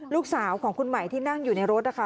ลูกสาวของคุณใหม่ที่นั่งอยู่ในรถนะคะ